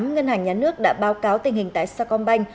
ngân hàng nhà nước đã báo cáo tình hình tại sa công banh